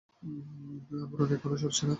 আবরণ এখনো সরছে না।